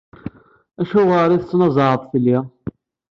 Acuɣer i tettnazaɛeḍ fell-i?